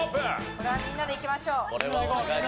これはみんなでいきましょう。